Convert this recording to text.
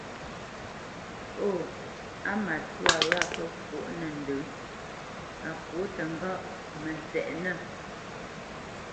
Hô, á matwâ wâ pə́ pwôʼ nə̂ ndə̌, a pwô təŋgáʼ, mə tsɛʼnə̂!